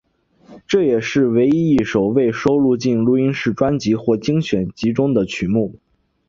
这也是唯一一首未收录进录音室专辑或精选集中的曲目。